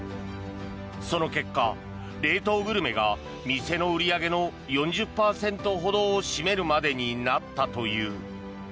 その結果、冷凍グルメが店の売り上げの４０％ほどを占めるまでになったという。